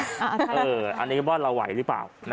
อันนี้ก็ว่าเราไหวหรือเปล่า